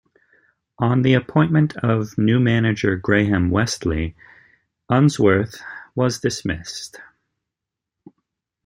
On the appointment of new manager Graham Westley, Unsworth was dismissed.